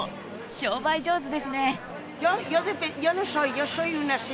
商売上手ですね。